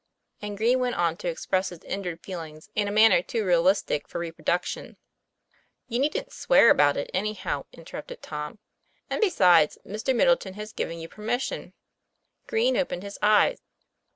And Green went on to express his injured feelings in a manner too realistic for reproduction. ' You needn't swear about it anyhow," interrupted Tom, ; 'and besides, Mr. Middleton has given you permission." Green opened his eyes.